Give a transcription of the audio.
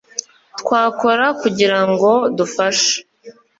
twakora kugira ngo dufashe